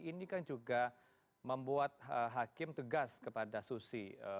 ini kan juga membuat hakim tegas kepada susi